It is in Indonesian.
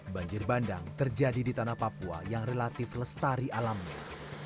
banjir bandang terjadi di tanah papua yang relatif lestari alamnya